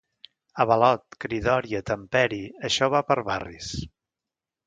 Avalot, cridòria, temperi, això va per barris.